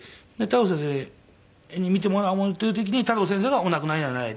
太郎先生に見てもらおう思ってる時に太郎先生がお亡くなりになられて。